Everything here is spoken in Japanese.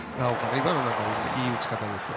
今のはいい打ち方ですよ。